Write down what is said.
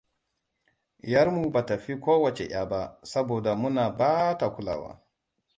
'Yar mu bata fi kowacce 'ƴa ba saboda muna ba ta kulawa.